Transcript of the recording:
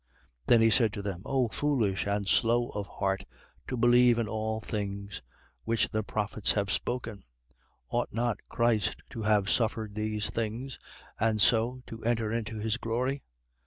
24:25. Then he said to them: O foolish and slow of heart to believe in all things, Which the prophets have spoken. 24:26. Ought not Christ to have suffered these things and so, to enter into his glory?